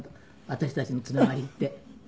私たちのつながりって。